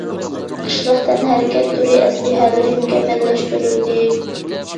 قىشلىق تەنھەرىكەت تۈرى ئەسلىھەلىرى مۇكەممەللەشتۈرۈلدى.